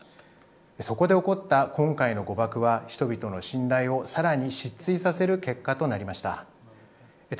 そこで起こった今回の誤爆は人々の信頼を、さらに失墜させる結果となりました。